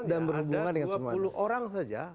dan berhubungan dengan semen misalnya ada dua puluh orang saja